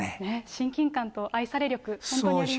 親近感と愛され力、本当にありますね。